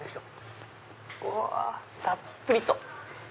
うわたっぷりと！